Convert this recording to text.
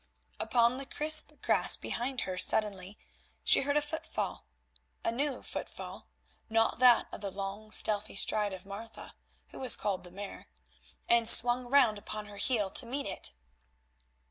Upon the crisp grass behind her suddenly she heard a footfall, a new footfall, not that of the long, stealthy stride of Martha, who was called the Mare, and swung round upon her heel to meet it.